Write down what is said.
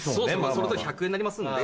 それぞれ１００円になりますので。